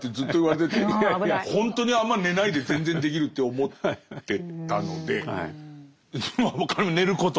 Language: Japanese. ほんとにあんま寝ないで全然できるって思ってたので寝ること。